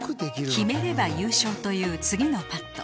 決めれば優勝という次のパット